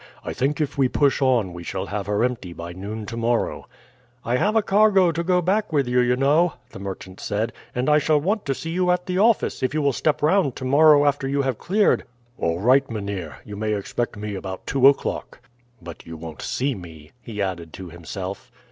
"I think if we push on we shall have her empty by noon tomorrow." "I have a cargo to go back with you, you know," the merchant said, "and I shall want to see you at the office, if you will step round tomorrow after you have cleared." "All right, Mynheer, you may expect me about two o'clock. "But you won't see me," he added to himself.